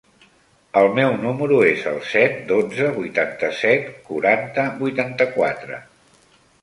El meu número es el set, dotze, vuitanta-set, quaranta, vuitanta-quatre.